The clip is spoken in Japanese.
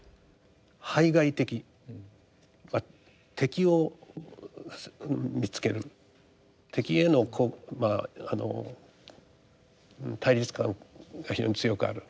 排外的敵を見つける敵へのこうまああの対立感が非常に強くある。